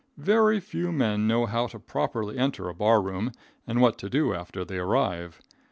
Very few men know how to properly enter a bar room and what to do after they arrive.